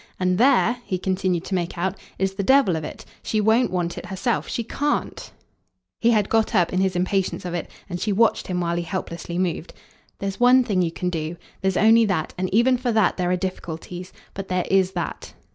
And there," he continued to make out, "is the devil of it. She WON'T want it herself. She CAN'T!" He had got up in his impatience of it, and she watched him while he helplessly moved. "There's one thing you can do. There's only that, and even for that there are difficulties. But there IS that."